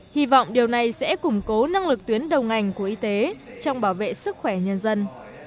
hy vọng điều này sẽ củng cố năng lực tuyến đầu ngành của y tế trong bảo vệ sức khỏe nhân dân